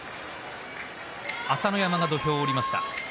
朝乃山が土俵を下りました。